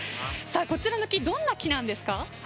こちらの木どんな木なんですか？